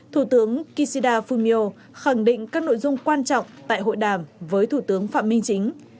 thủ tướng kishida fumio khẳng định các nội dung quan trọng tại hội đàm với thủ tướng phạm minh chính